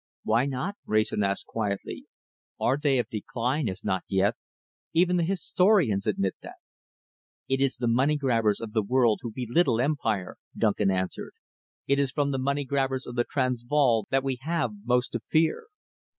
"Why not?" Wrayson asked quietly. "Our day of decline is not yet. Even the historians admit that." "It is the money grabbers of the world who belittle empire," Duncan answered. "It is from the money grabbers of the Transvaal that we have most to fear.